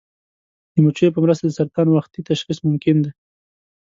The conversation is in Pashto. د مچیو په مرسته د سرطان وختي تشخیص ممکن دی.